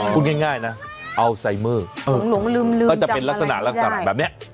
คุณง่ายนะอัลไซเมอร์ก็จะเป็นลักษณะแบบนี้